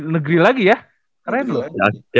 negeri lagi ya keren